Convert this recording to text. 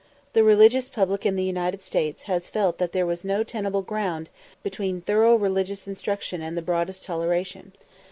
The religious public in the United States has felt that there was no tenable ground between thorough religious instruction and the broadest toleration.